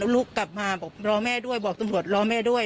ลุกกลับมาบอกรอแม่ด้วยบอกตำรวจรอแม่ด้วย